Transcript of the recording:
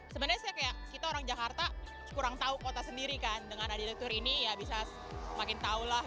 sebenarnya sih kayak kita orang jakarta kurang tahu kota sendiri kan dengan ada di tur ini ya bisa makin tahulah